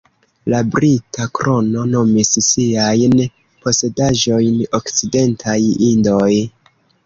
La Brita Krono nomis siajn posedaĵojn Okcidentaj Indioj.